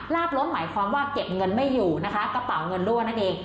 บล้นหมายความว่าเก็บเงินไม่อยู่นะคะกระเป๋าเงินรั่วนั่นเอง